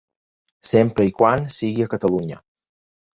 Sempre i quan sigui a Catalunya.